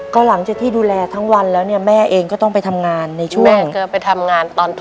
ก็หลังจากที่ดูแลทั้งวันแล้วแม่เองก็ต้องไปทำงานในช่วง